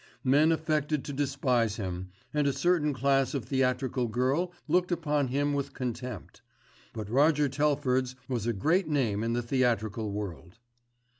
Men affected to despise him, and a certain class of theatrical girl looked upon him with contempt; but Roger Telford's was a great name in the theatrical world.